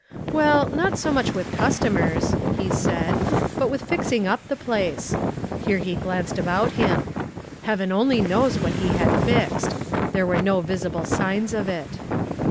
"Well, not so much with customers," he said, "but with fixing up the place," here he glanced about him. Heaven only knows what he had fixed. There were no visible signs of it.